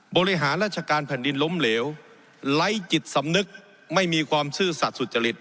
บริหารราชการแผ่นดินล้มเหลวไร้จิตสำนึกไม่มีความซื่อสัตว์สุจริต